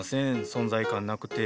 存在感なくて。